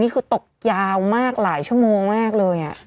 อันนี้คือตกยาวมากหลายชั่วโมงมากเลยอ่ะ